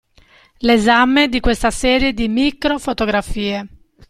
L'esame di questa serie di microfotografie.